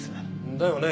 だよね